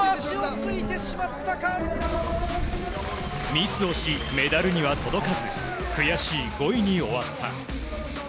ミスをし、メダルには届かず悔しい５位に終わった。